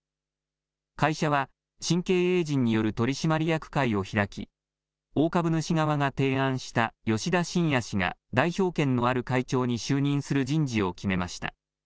会社は新経営陣による取締役会を開き大株主側が提案した吉田真也氏が代表権のある会長に就任する人事を決めました。